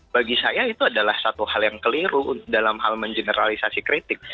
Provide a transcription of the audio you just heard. bagi saya itu adalah satu hal yang keliru dalam hal mengeneralisasi kritik